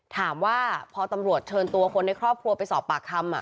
ถามว่าพอตำรวจเชิญตัวคนในครอบครัวไปสอบปากคำ